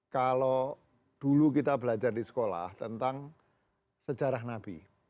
kalau dulu kita belajar di sekolah tentang sejarah nabi